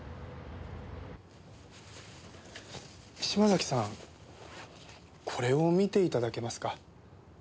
島崎さんこれを見て頂けますか？